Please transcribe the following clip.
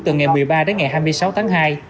từ ngày một mươi ba đến ngày hai mươi sáu tháng hai